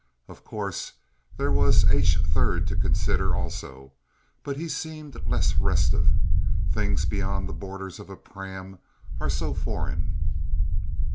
Of course, there was H. 3rd to consider, also, but he seemed less restive. Things beyond the borders of a pram are so foreign.